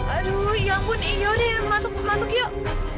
aduh ya ampun ya udah masuk masuk yuk